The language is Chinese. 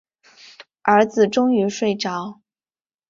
儿子终于睡着